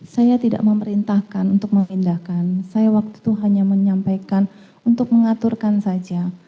saya tidak memerintahkan untuk memindahkan saya waktu itu hanya menyampaikan untuk mengaturkan saja